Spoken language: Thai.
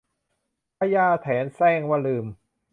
พญาแถนแสร้งว่าลืม